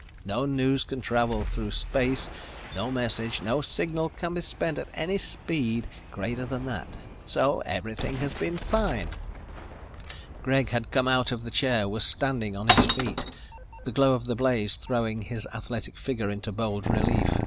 No news can travel through space, no message, no signal can be sent at any speed greater than that. So everything has been fine." Greg had come out of the chair, was standing on his feet, the glow of the blaze throwing his athletic figure into bold relief.